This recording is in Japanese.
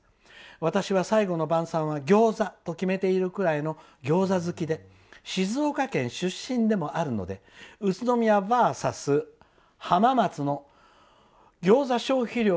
私は最後の晩さんは餃子と決めているくらいの餃子好きで静岡県出身でもあるので宇都宮ＶＳ浜松の餃子消費量